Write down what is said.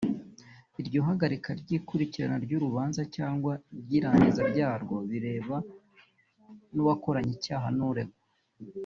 Iryo hagarika ry’ikurikirana ry’urubanza cyangwa ry’irangiza ryarwo bireba n’uwakoranye icyaha n’uregwa